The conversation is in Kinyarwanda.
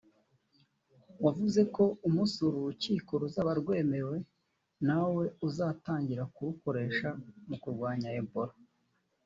wavuze ko umunsi uru rukingo ruzaba rwemewe na wo uzatangira kurukoresha mu kurwanya Ebola